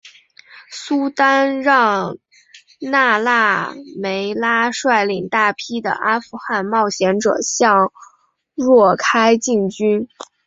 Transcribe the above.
苏丹让那腊梅拉率领大批的阿富汗冒险者向若开进军。